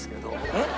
えっ？